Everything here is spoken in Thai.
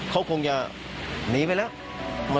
เขาคงจะหนีไปแล้ว